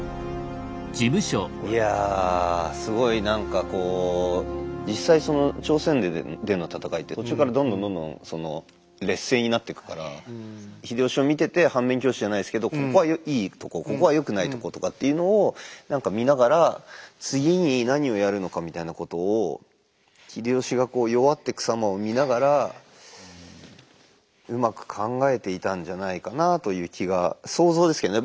いやすごい何かこう実際その朝鮮での戦いって途中からどんどんどんどん劣勢になっていくから秀吉を見てて反面教師じゃないですけどここはいいとこここはよくないとことかっていうのを何か見ながらうまく考えていたんじゃないかなという気が想像ですけどね